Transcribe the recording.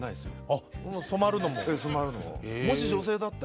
あっ染まるのも。